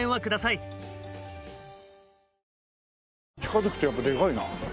近づくとやっぱでかいな。